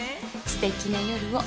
すてきな夜を。